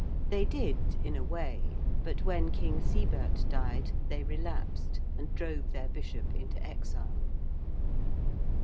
They did, in a way. But when King Siebehrt died, they relapsed and drove their Bishop into exile.